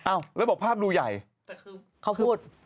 อ้าวแล้วบอกภาพดูใหญ่แต่คือเขาพูด